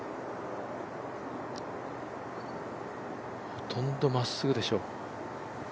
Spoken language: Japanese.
ほとんどまっすぐでしょう。